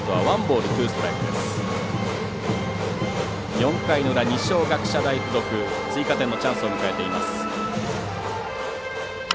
４回の裏、二松学舎大付属追加点のチャンスを迎えています。